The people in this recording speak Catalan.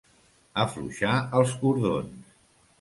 Afluixar els cordons.